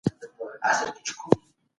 الهي روح انسان له حیواني صفاتو ژغوري.